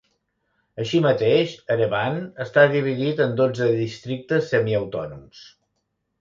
Així mateix, Erevan està dividit en dotze districtes semiautònoms.